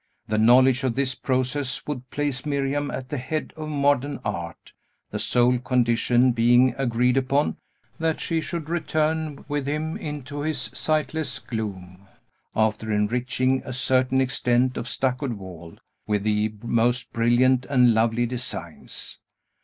The knowledge of this process would place Miriam at the head of modern art; the sole condition being agreed upon, that she should return with him into his sightless gloom, after enriching a certain extent of stuccoed wall with the most brilliant and lovely designs.